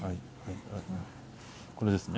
これですね。